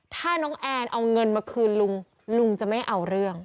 ถ้าน้องแอนเอาเงินมาคืนลุงลุงจะไม่เอาเรื่อง